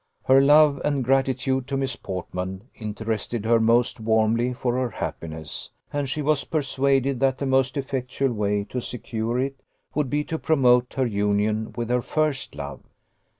Her love and gratitude to Miss Portman interested her most warmly for her happiness, and she was persuaded that the most effectual way to secure it would be to promote her union with her first love.